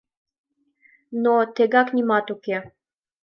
Но тегак нимат уке.